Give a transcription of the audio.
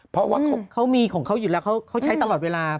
เพราะว่าเขามีของเขาอยู่แล้วเขาใช้ตลอดเวลา